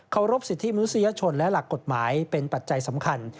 รบสิทธิมนุษยชนและหลักกฎหมายเป็นปัจจัยสำคัญ